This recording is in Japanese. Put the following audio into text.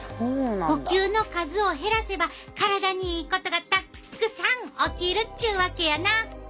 呼吸の数を減らせば体にいいことがたっくさん起きるっちゅうわけやな。